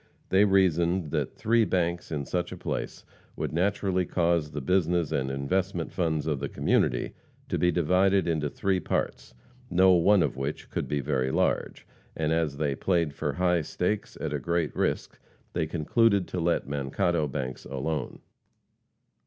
They reasoned that three banks in such a place would naturally cause the business and investment funds of the community to be divided into three parts, no one of which could be very large, and as they "played for high stakes" at a great risk, they concluded to let Mankato banks alone.